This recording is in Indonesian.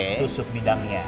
itu sub bidangnya